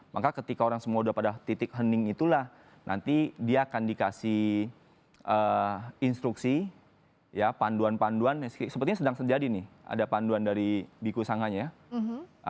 maka ketika orang semua sudah pada titik hening itulah nanti dia akan dikasih instruksi ya panduan panduan yang sepertinya sedang terjadi nih ada panduan dari biku sanganya